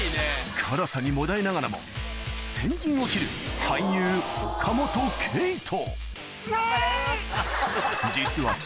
辛さにもだえながらも先陣を切る俳優岡本圭人